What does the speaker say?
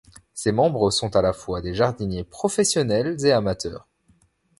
Ces membres sont à la fois des jardiniers professionnels et amateur.